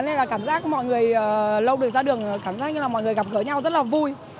nên là cảm giác mọi người lâu được ra đường cảm giác như là mọi người gặp gỡ nhau rất là vui